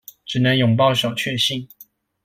只能擁抱小卻幸